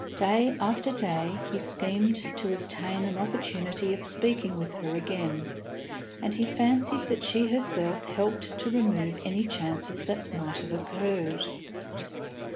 Day after day, he schemed to obtain an opportunity of speaking with her again, and he fancied that she herself helped to remove any chances that might have occurred.